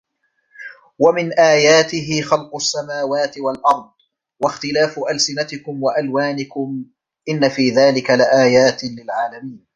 وَمِن آياتِهِ خَلقُ السَّماواتِ وَالأَرضِ وَاختِلافُ أَلسِنَتِكُم وَأَلوانِكُم إِنَّ في ذلِكَ لَآياتٍ لِلعالِمينَ